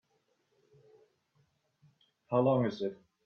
How long is it?